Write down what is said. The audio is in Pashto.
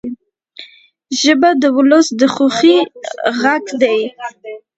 ژبه د ولس د خوښۍ غږ دی